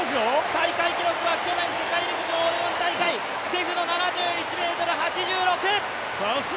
大会記録は去年世界陸上オレゴン大会チェフの７１ｍ８６。